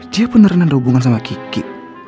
dia beneran ada hubungan sama kiki